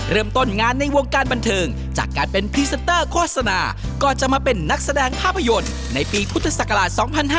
เริ่มต้นงานในวงการบันเทิงจากการเป็นพรีเซนเตอร์โฆษณาก่อนจะมาเป็นนักแสดงภาพยนตร์ในปีพุทธศักราช๒๕๕๙